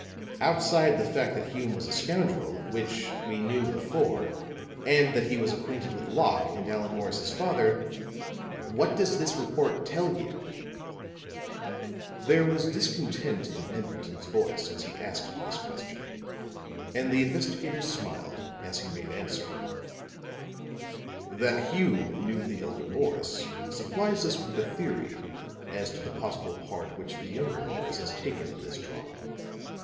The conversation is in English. "Outside the fact that Hume was a scoundrel which we knew before and that he was acquainted with Locke and Allan Morris's father, what does this report tell you?" There was discontent in Pendleton's voice as he asked this question, and the investigator smiled as he made answer: "That Hume knew the elder Morris supplies us with a theory as to the possible part which the younger Morris has taken in this drama.